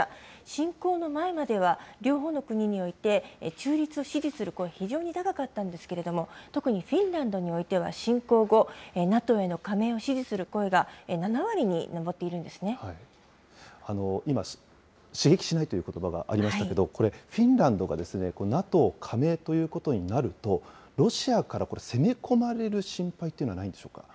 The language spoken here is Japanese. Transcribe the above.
侵攻の前までは、両方の国において、中立を支持する声、非常に高かったんですけれども、特にフィンランドにおいては、侵攻後、ＮＡＴＯへの加盟を支持する声が７今、刺激しないということばがありましたけど、これ、フィンランドがＮＡＴＯ加盟ということになると、ロシアから攻め込まれる心配というのはないんでしょう